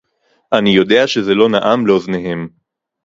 אני יודע שזה לא נעם לאוזניהם